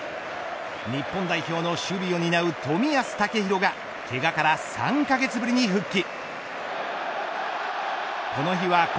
日本代表の守備を担う冨安健洋がけがから３カ月ぶりに復帰。